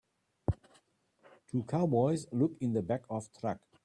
Two cowboys look in the back of truck.